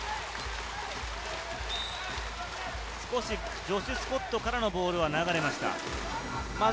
少しジョシュ・スコットからのボールは流れました。